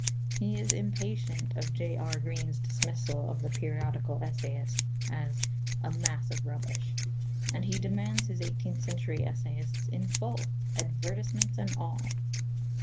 He is impatient of J. R. Green's dismissal of the periodical essayist as a "mass of rubbish," and he demands his eighteenth century essayists in full, advertisements and all.